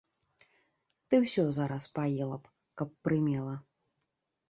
Ты ўсё зараз паела б, каб прымела!